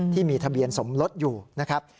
ที่มีทะเบียนสมรสอยู่นะครับ